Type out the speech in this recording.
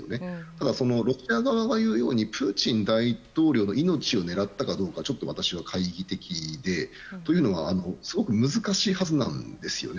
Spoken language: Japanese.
ただ、ロシア側がいうようにプーチン大統領の命を狙ったかどうかはちょっと私は懐疑的ですごく難しいはずなんですね。